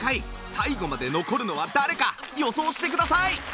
最後まで残るのは誰か予想してください